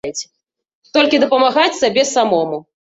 Толькі дапамагаць сабе самому.